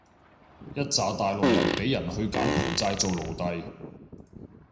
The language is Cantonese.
一柞大陸人畀人去柬埔寨做奴隸